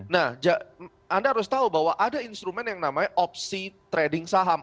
nah anda harus tahu bahwa ada instrumen yang namanya opsi trading saham